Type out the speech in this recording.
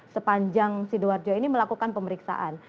sepanjang sidoarjo ini melakukan pemeriksaan